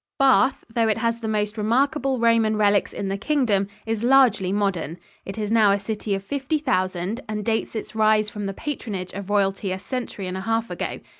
Bath, though it has the most remarkable Roman relics in the Kingdom, is largely modern. It is now a city of fifty thousand and dates its rise from the patronage of royalty a century and a half ago.